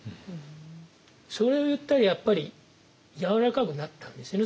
それを言ったらやっぱりやわらかくなったんですよね